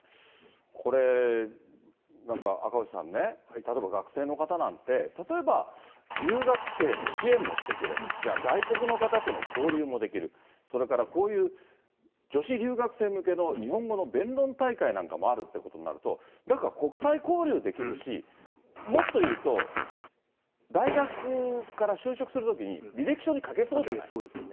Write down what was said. これ、なんか赤星さんね、例えば学生の方なんて、例えば留学生の支援もしてくれる、じゃあ、外国の方との交流もできる、それからこういう、女子留学生向けの日本語の弁論大会なんかもあるということになると、なんか、国際交流できるし、もっというと、大学から就職するときに、書けそうですよね。